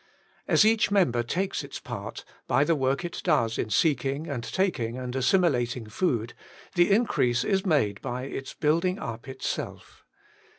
As each member takes its part, by the work it does in seeking and taking and assimilating food, the in crease is made by its building up itself.